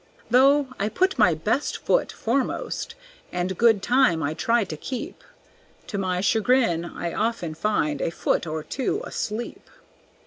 Though I put my best foot foremost, and good time I try to keep, To my chagrin, I often find a foot or two asleep.